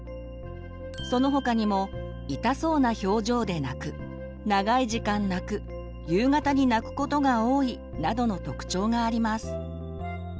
その他にも痛そうな表情で泣く長い時間泣く夕方に泣くことが多いなどの特徴があります。